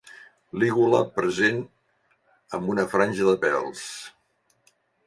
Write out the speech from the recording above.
Lígula present; amb una franja de pèls.